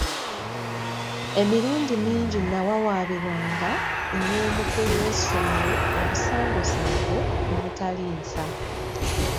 Emirundi mingi nnawawaabirwanga ew'omukulu w'essomero obusangosango omutali nsa.